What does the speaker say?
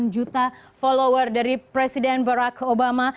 delapan juta follower dari presiden barack obama